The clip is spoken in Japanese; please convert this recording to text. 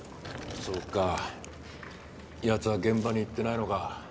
そうか奴は現場に行ってないのか。